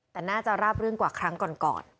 แต่น่าจะราบรื่นกว่าครั้งก่อน